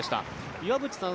岩渕さん